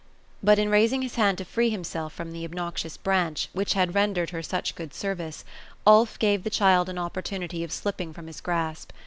But in raising his hand to free himself from the obnoxious branch, which had rendered her such good service, Ulf gave the child an oppor tunity of slipping from his grasp.